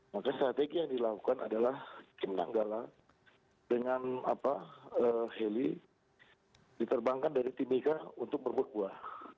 maka strategi yang dilakukan adalah tim nanggala dengan heli diterbangkan dari timika untuk berbuat buah